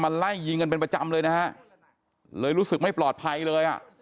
ไล่ยิงกันเป็นประจำเลยนะฮะเลยรู้สึกไม่ปลอดภัยเลยอ่ะ